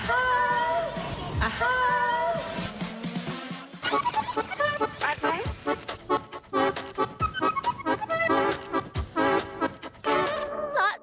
เอาละค่ะเป็นไงโพสต์ท่ากันแบบว่าเต็มจริง